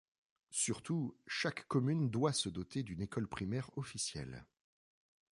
Surtout, chaque commune doit se doter d'une école primaire officielle.